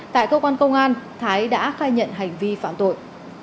tại cơ quan công an thái đã khai nhận hành vi phạm tội